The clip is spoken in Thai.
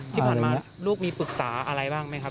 ที่ผ่านมาลูกมีปรึกษาอะไรบ้างไหมครับ